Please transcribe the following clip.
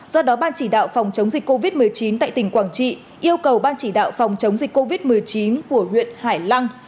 do đó ban chỉ đạo phòng chống dịch covid một mươi chín tại tỉnh quảng trị yêu cầu ban chỉ đạo phòng chống dịch covid một mươi chín của huyện hải lăng